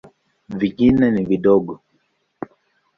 Vingine ni vidogo.